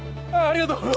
ありがとう！